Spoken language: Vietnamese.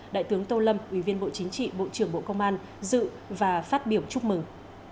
đại tướng tô lâm ủy viên bộ chính trị bộ trưởng bộ công an dự và phát biểu chúc mừng